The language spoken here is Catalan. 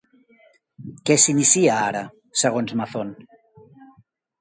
Què s'inicia ara, segons Mazón?